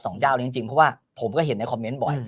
เจ้านี้จริงเพราะว่าผมก็เห็นในคอมเมนต์บ่อย